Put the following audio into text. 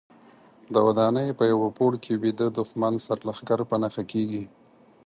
د ودانۍ په یوه پوړ کې ویده دوښمن سرلښکر په نښه کېږي.